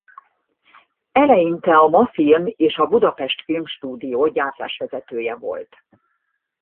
Eleinte a Mafilm és a Budapest Filmstúdió gyártásvezetője volt.